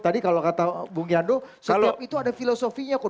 tadi kalau kata bung yando setiap itu ada filosofinya kok